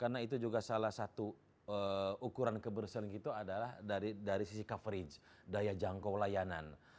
karena itu juga salah satu ukuran kebersihan itu adalah dari sisi coverage daya jangkau layanan